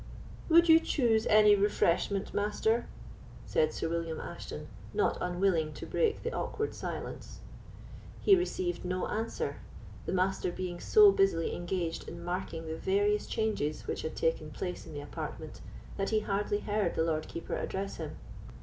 "Would you choose any refreshment, Master?" said Sir William Ashton, not unwilling to break the awkward silence. He received no answer, the Master being so busily engaged in marking the various changes which had taken place in the apartment, that he hardly heard the Lord Keeper address him.